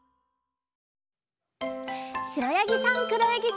しろやぎさんくろやぎさん。